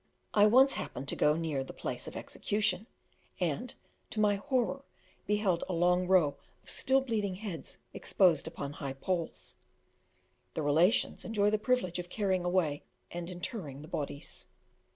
I once happened to go near the place of execution, and to my horror beheld a long row of still bleeding heads exposed upon high poles. The relations enjoy the privilege of carrying away and interring the bodies.